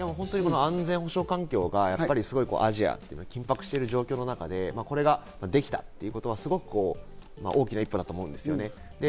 安全保障環境がアジアが緊迫している状況の中でこれができたということは、すごく大きな一歩だと思うんですよね。